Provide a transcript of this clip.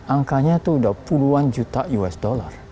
angkanya itu sudah puluhan juta usd